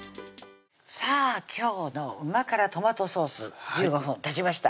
さぁ今日の「うま辛トマトソース」１５分たちました